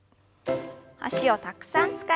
脚をたくさん使いました。